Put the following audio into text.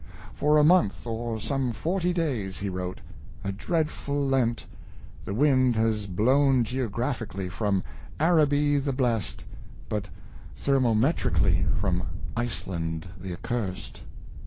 " For a month, or some forty days,'' he wrote —" a dreadful Lent — the wind has blown geographically from ^ Araby the blest,' but thermometrically from Iceland the accursed.